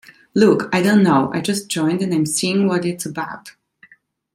Look, I don't know, I just joined and I'm seeing what it's about.